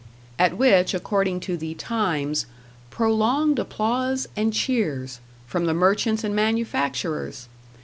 At which, according to the "Times", "prolonged applause and cheers" from the Merchants and Manufacturers!